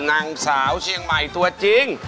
นางสาวเชียงใหม่ตัวจริง